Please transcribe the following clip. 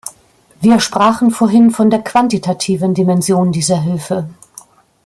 Wir sprachen vorhin von der quantitativen Dimension dieser Hilfe.